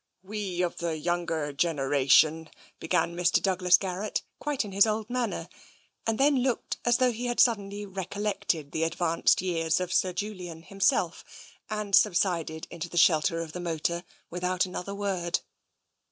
"We of the younger generation " began Mr. Douglas Garrett, quite in his old manner, and then looked as though he had suddenly recollected the ad vanced years of Sir Julian himself, and subsided into the shelter of the motor without another word.